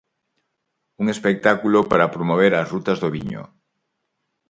Un espectáculo para promover as rutas do viño.